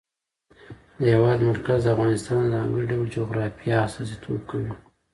د هېواد مرکز د افغانستان د ځانګړي ډول جغرافیه استازیتوب کوي.